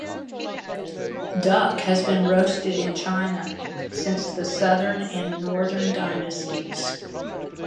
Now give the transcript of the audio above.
Duck has been roasted in China since the Southern and Northern Dynasties.